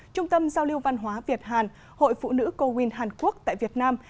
trung tâm giao lưu văn hóa việt hàn hội phụ nữ co win hàn quốc tại việt nam